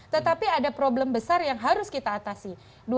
tetapi ada problem besar yang harus kita atasi